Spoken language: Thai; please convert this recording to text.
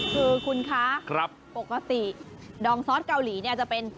คือคุณคะปกติดองซอสเกาหลีเนี่ยจะเป็น